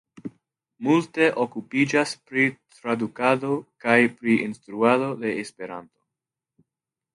Multe okupiĝas pri tradukado kaj pri instruado de Esperanto.